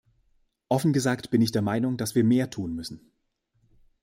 Offen gesagt bin ich der Meinung, dass wir mehr tun müssen.